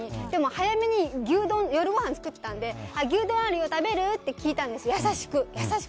でも早めに牛丼夜ごはんを作っていたので牛丼あるよ、食べる？って聞いたんです、優しく。